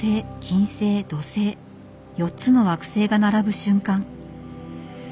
金星土星４つの惑星が並ぶ瞬間。